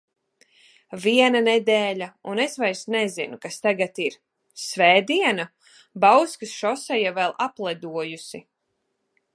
Viena nedēļa, un es vairs nezinu, kas tagad ir... Svētdiena? Bauskas šoseja vēl apledojusi.